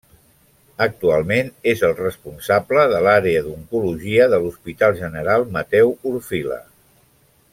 Actualment és el responsable de l'àrea d'oncologia de l'Hospital General Mateu Orfila.